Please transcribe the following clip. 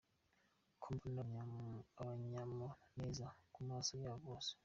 Ko mbona akanyamuneza ku maso yaba bose ?